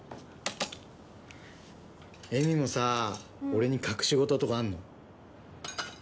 絵美もさ、俺に隠し事とかあるの？